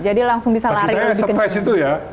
jadi langsung bisa lari lebih ke jauh